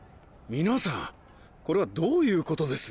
皆さんこれはどういうことです？